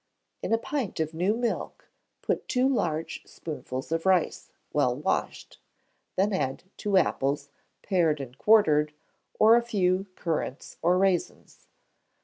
In a pint of new milk put two large spoonfuls of rice, well washed; then add two apples, pared and quartered, or a few currants or rasins.